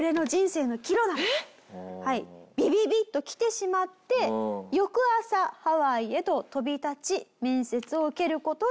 ビビビッときてしまって翌朝ハワイへと飛び立ち面接を受ける事にしたと。